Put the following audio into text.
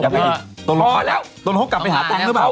ขอแล้วตนเขากลับไปหาตังค์หรือเปล่า